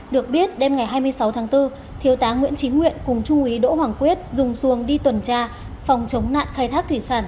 được biết đêm ngày hai mươi sáu tháng bốn thiếu tá nguyễn trí nguyện cùng trung úy đỗ hoàng quyết dùng xuồng đi tuần tra phòng chống nạn khai thác thủy sản